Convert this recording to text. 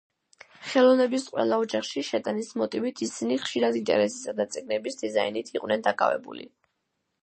ხელოვნების ყველა ოჯახში შეტანის მოტივით ისინი ხშირად ინტერიერისა და წიგნების დიზაინით იყვნენ დაკავებული.